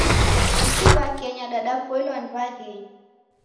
Isi w'akenya dadapoilwa ni w'aghenyi.